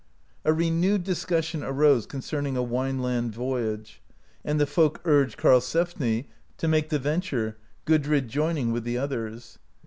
A renewed discussion arose concerning a Wineland voyage, and the folk urged Karselfni to make the venture, Gudrid joining with the others.